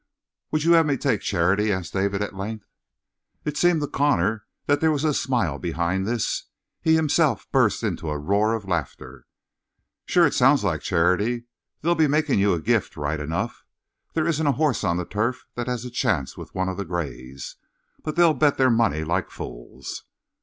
"Would you have me take charity?" asked David at length. It seemed to Connor that there was a smile behind this. He himself burst into a roar of laughter. "Sure, it sounds like charity. They'll be making you a gift right enough. There isn't a horse on the turf that has a chance with one of the grays! But they'll bet their money like fools."